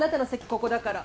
ここだから。